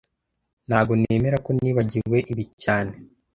Ntago nemera ko nibagiwe ibi cyane